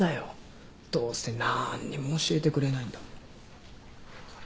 どうせなんにも教えてくれないんだもん。